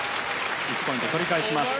１ポイント取り返しました。